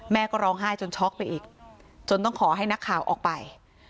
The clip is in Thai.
ก็ร้องไห้จนช็อกไปอีกจนต้องขอให้นักข่าวออกไป